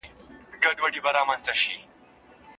انلاين زده کړه زده کوونکي د وخت تنظیم په دوامداره توګه زده کوي.